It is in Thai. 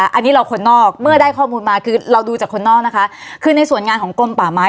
อันนี้เราคนนอกเมื่อได้ข้อมูลมาคือเราดูจากคนนอกนะคะคือในส่วนงานของกลมป่าไม้